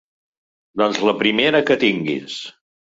Doncs la primera que tinguis.